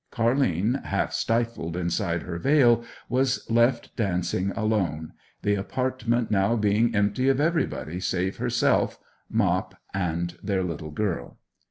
Car'line, half stifled inside her veil, was left dancing alone, the apartment now being empty of everybody save herself, Mop, and their little girl.